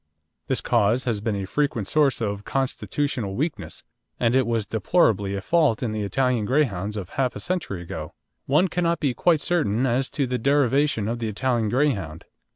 This cause has been a frequent source of constitutional weakness, and it was deplorably a fault in the Italian Greyhounds of half a century ago. One cannot be quite certain as to the derivation of the Italian Greyhound.